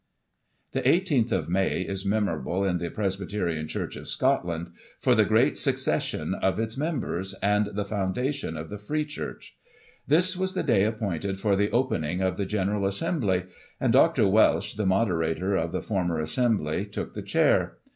The 1 8th of May is memorable in the Presbyterian Church of Scotland, for the great secession of its members, and the foundation of the Free Church. This was the day appointed for the opening of the General Assembly, and Dr. Welsh, the Moderator of the former Assembly, took the Chair.